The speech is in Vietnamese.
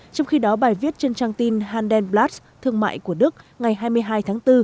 trong khi đó bài viết trên trang tin handelblatt thương mại của đức ngày hai mươi hai tháng bốn